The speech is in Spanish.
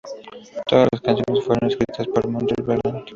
Todas las canciones fueron escritas por Morten Veland.